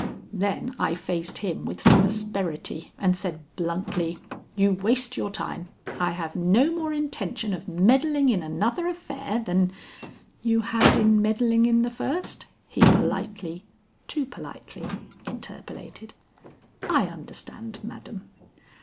Then I faced him with some asperity, and said bluntly: "You waste your time. I have no more intention of meddling in another affair than " "You had in meddling in the first," he politely, too politely, interpolated. "I understand, madam."